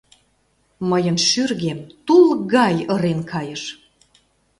Мыйын шӱргем тул гай ырен кайыш.